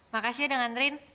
makasih udah ngantriin